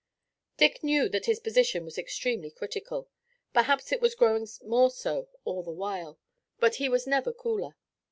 Dick knew that his position was extremely critical. Perhaps it was growing more so all the while, but he was never cooler.